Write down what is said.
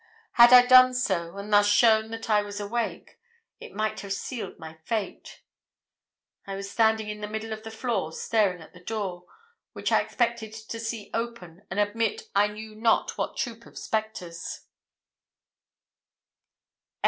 Had I done so, and thus shown that I was awake, it might have sealed my fate. I was standing in the middle of the floor staring at the door, which I expected to see open, and admit I knew not what troop of spectres.